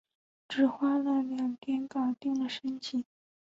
只花了两天就搞定了升级